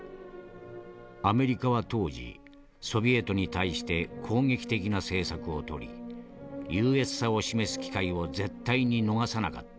アメリカは当時ソビエトに対して攻撃的な政策をとり優越さを示す機会を絶対に逃さなかった。